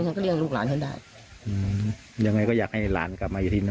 เขาก็เรียกลูกหลานฉันได้อืมยังไงก็อยากให้หลานกลับมาอยู่ที่นั่น